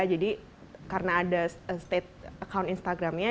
jadi karena ada state account instagramnya